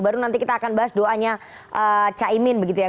baru nanti kita akan bahas doanya caimin begitu ya